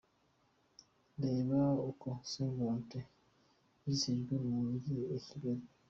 Reba uko Saint Valentin yizihijwe mu Mujyi wa Kigali:.